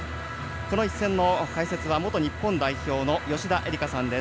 この一戦の解説は元日本代表の吉田絵里架さんです。